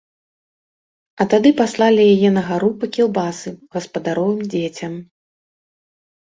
А тады паслалі яе на гару па кілбасы гаспадаровым дзецям.